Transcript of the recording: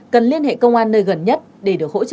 cần liên hệ công an nơi gần nhất để được hỗ trợ kịp thời